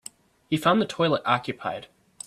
He found the toilet occupied.